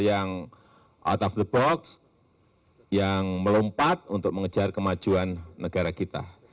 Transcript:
yang out of the box yang melompat untuk mengejar kemajuan negara kita